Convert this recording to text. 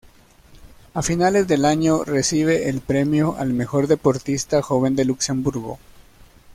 A finales del año, recibe el premio al mejor deportista joven de Luxemburgo.